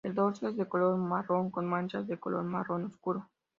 El dorso es de color marrón con manchas de color marrón oscuro.